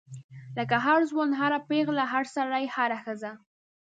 لکه هر ځوان هر پیغله هر سړی هره ښځه.